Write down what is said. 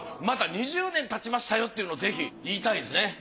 また２０年たちましたよっていうのをぜひ言いたいですね。